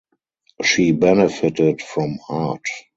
She benefited from Art.